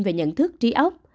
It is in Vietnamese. về nhận thức trí ốc